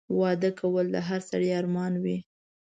واده کول د هر سړي ارمان وي